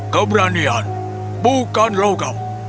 keberanian bukan logam